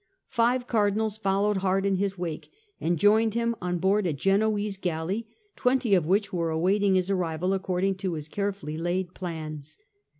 Five Cardinals followed hard in his wake, and joined him on board a Genoese galley, twenty of which were awaiting his arrival according to his carefully laid plans.